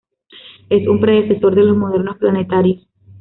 Es un predecesor de los modernos planetarios.